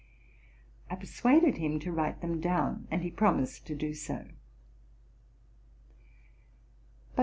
I persuaded him to write them down, and he promised to do so.